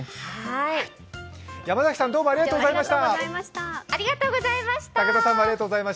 山崎さん、竹田さん、ありがとうございました。